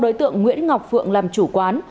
đối tượng nguyễn ngọc phượng làm chủ quán